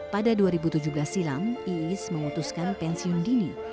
pada dua ribu tujuh belas silam iis memutuskan pensiun dini